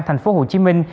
thành phố hồ chí minh